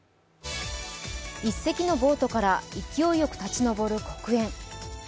１隻のボートから勢いよく立ち上る黒煙。